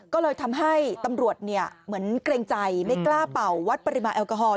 ก็เลยทำให้ตำรวจเหมือนเกรงใจไม่กล้าเป่าวัดปริมาณแอลกอฮอล